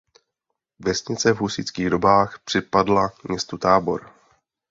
Vesnice v husitských dobách připadla městu Táboru.